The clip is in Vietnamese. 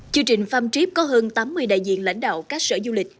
chương trình farm trip có hơn tám mươi đại diện lãnh đạo các sở du lịch